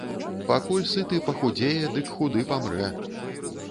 Пакуль сыты пахудзее, дык худы памрэ.